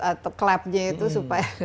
atau clapnya itu supaya